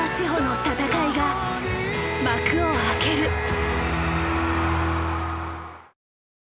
ほの戦いが幕を開ける。